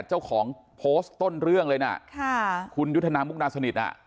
เจ้าของโพสต์ต้นเรื่องเลยน่ะค่ะคุณยุทธนามุกนาสนิทอ่ะ